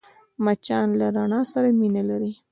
مچان له رڼا سره مینه لري